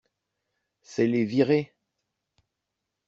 C’est les virer!